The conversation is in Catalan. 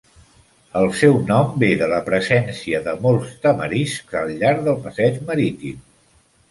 El seu nom ve de la presència de molts tamariscs al llarg del passeig marítim.